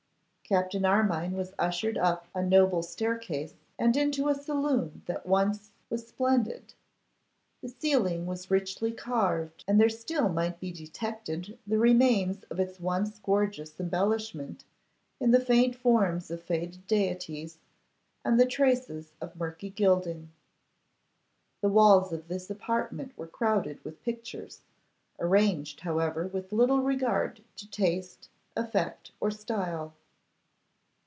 Captain Armine was ushered up a noble staircase, and into a saloon that once was splendid. The ceiling was richly carved, and there still might be detected the remains of its once gorgeous embellishment in the faint forms of faded deities and the traces of murky gilding. The walls of this apartment were crowded with pictures, arranged, however, with little regard to taste, effect, or style.